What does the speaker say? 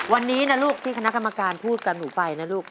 วันนี้นะลูกที่คณะกรรมการพูดกับหนูไปนะลูก